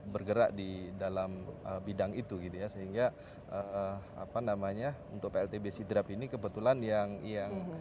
bergerak di dalam bidang itu gitu ya sehingga apa namanya untuk pltb sidrap ini kebetulan yang yang